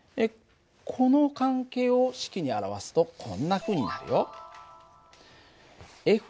この関係を式に表すとこんなふうになるよ。